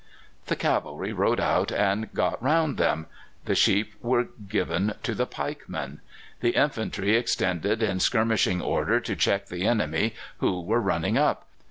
The cavalry rode out and got round them. The sheep were given to the pikemen. The infantry extended in skirmishing order to check the enemy, who were running up.